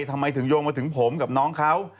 ทำไมถึงโยงมาถึงผมกับน้องเขา